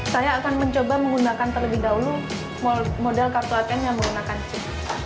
saya akan mencoba menggunakan terlebih dahulu model kartu atm yang menggunakan sim